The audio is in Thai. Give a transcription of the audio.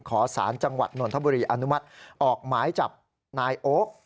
ขอสารจังหวัดนทบุรีอนุมัติออกหมายจับนายโอ๊ค